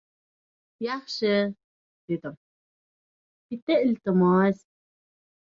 Yaxshi! - dedim. - Bitta iltimos